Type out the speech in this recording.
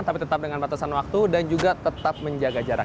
tapi tetap dengan batasan waktu dan juga tetap menjaga jarak